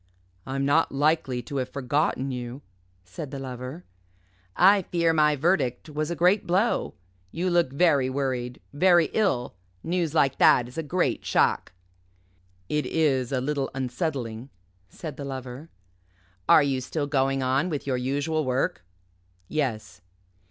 "I'm not likely to have forgotten you," said the Lover. "I fear my verdict was a great blow. You look very worried, very ill. News like that is a great shock." "It is a little unsettling," said the Lover. "Are you still going on with your usual work?" "Yes."